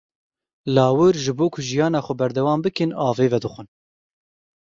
Lawir ji bo ku jiyana xwe berdewam bikin, avê vedixwin.